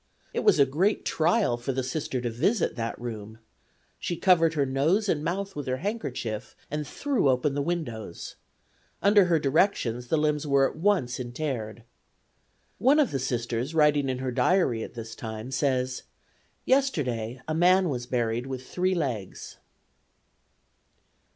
It was a great trial for the Sister to visit that room. She covered her nose and mouth with her handkerchief and threw open the windows. Under her directions the limbs were at once interred. One of the Sisters writing in her diary at his time says: "Yesterday a man was buried with three legs."